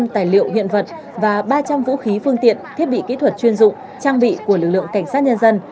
năm tài liệu hiện vật và ba trăm linh vũ khí phương tiện thiết bị kỹ thuật chuyên dụng trang bị của lực lượng cảnh sát nhân dân